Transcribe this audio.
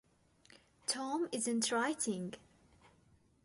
Tom isn't writing.